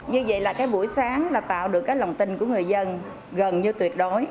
như vậy là cái buổi sáng là tạo được cái lòng tin của người dân gần như tuyệt đối